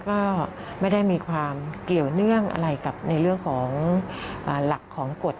ก็ไม่ได้มีความเกี่ยวเนื่องอะไรกับในเรื่องของหลักของกฎ